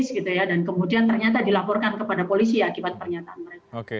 dan kemudian ternyata dilaporkan kepada polisi akibat pernyataan mereka